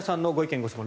・ご質問